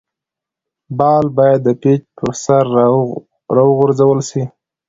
بال باید د پيچ پر سر راوغورځول سي.